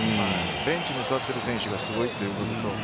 ベンチに座ってる選手がすごいという部分と。